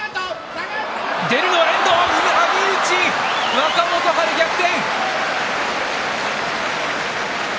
若元春、逆転。